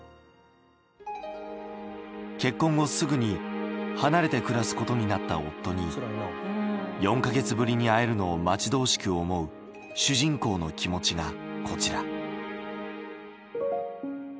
結婚後すぐに離れて暮らすことになった夫に４か月ぶりに会えるのを待ち遠しく思う主人公の気持ちがこちら。